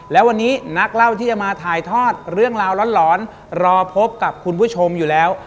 และวันนี้นักเล่าที่จะมาถ่ายทอดเรื่องราวร้อนรอพบกับคุณผู้ชมอยู่แล้ว